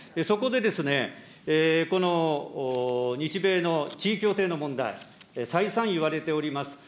そこで、この日米の地位協定の問題、再三言われております。